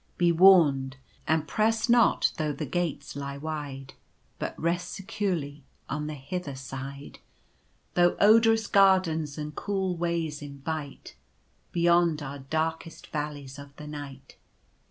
Be warned ! and press not though the gates lie wide, But rest securely on the hither side. i Deeper into the Wilderness. 1 47 Though odorous gardens and cool ways invite, Beyond are darkest valleys of the night.